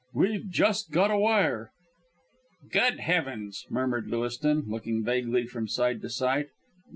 We've just got a wire." "Good heavens," murmured Lewiston, looking vaguely from side to side.